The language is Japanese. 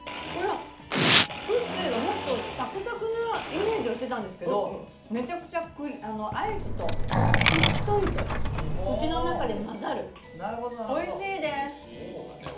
クッキーがもっとサクサクなイメージをしてたんですけど、めちゃくちゃアイスとしっとりと口の中で混ざる、おいしいです。